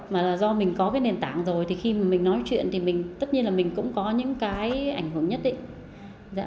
mà do mình có cái nền tảng rồi thì khi mình nói chuyện thì mình tất nhiên là mình cũng có những cái ảnh hưởng nhất ấy